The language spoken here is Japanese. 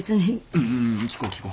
うんうんうんうん聞こう聞こう。